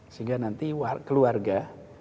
sehingga nanti keluarga